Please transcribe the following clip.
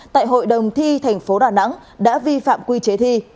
tại hội đồng thi tp hcm đã vi phạm quy chế thi